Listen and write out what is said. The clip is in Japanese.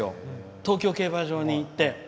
東京競馬場に行って。